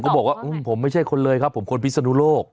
บอกว่าผมไม่ใช่คนเลยครับผมคนพิศนุโลก